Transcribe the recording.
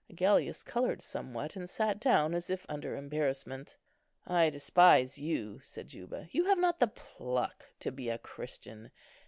Agellius coloured somewhat, and sat down, as if under embarrassment. "I despise you," said Juba; "you have not the pluck to be a Christian.